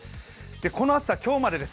この暑さ今日までです。